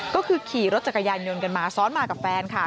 ก็คือขี่รถจักรยานยนต์กันมาซ้อนมากับแฟนค่ะ